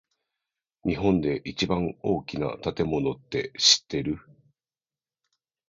日本で一番大きな建物って知ってる？